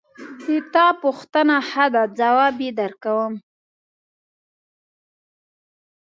د تا پوښتنه ښه ده ځواب یې درکوم